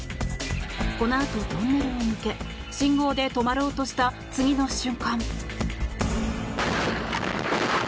このあとトンネルを抜け信号で止まろうとした次の瞬間。